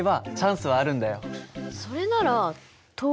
それなら等